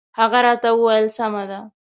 هغه راته وویل سمه ده.